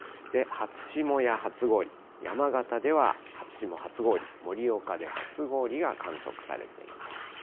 初霜や初氷、山形では初霜初氷、盛岡で初氷が観測されています。